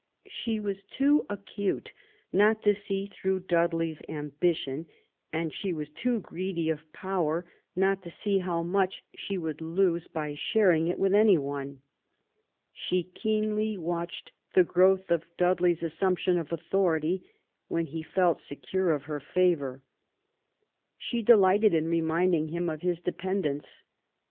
She was too acute not to see through Dudley's ambition, and she was too greedy of power not to see how much she would lose by sharing it with any one. She keenly watched the growth of Dudley's assumption of authority, when he felt secure of her favour. She delighted in reminding him of his dependence.